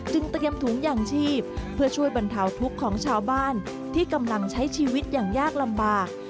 เตรียมถุงยางชีพเพื่อช่วยบรรเทาทุกข์ของชาวบ้านที่กำลังใช้ชีวิตอย่างยากลำบาก